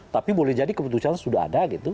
tapi boleh jadi keputusan sudah ada gitu